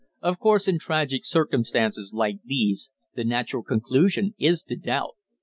"Of course, in tragic circumstances like these the natural conclusion is to doubt.